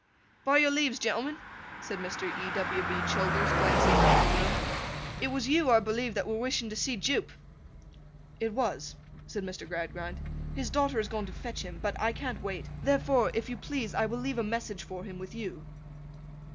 'By your leaves, gentlemen,' said Mr. E. W. B. Childers, glancing round the room. 'It was you, I believe, that were wishing to see Jupe!' 'It was,' said Mr. Gradgrind. 'His daughter has gone to fetch him, but I can't wait; therefore, if you please, I will leave a message for him with you.